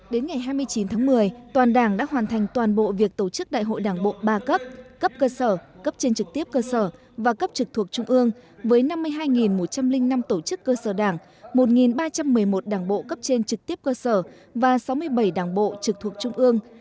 đến ngày hai mươi chín tháng một mươi toàn đảng đã hoàn thành toàn bộ việc tổ chức đại hội đảng bộ ba cấp cấp cơ sở cấp trên trực tiếp cơ sở và cấp trực thuộc trung ương với năm mươi hai một trăm linh năm tổ chức cơ sở đảng một ba trăm một mươi một đảng bộ cấp trên trực tiếp cơ sở và sáu mươi bảy đảng bộ trực thuộc trung ương